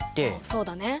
そうだね。